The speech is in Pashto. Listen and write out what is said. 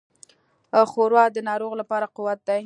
ښوروا د ناروغ لپاره قوت لري.